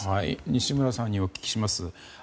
西村さんにお聞きします。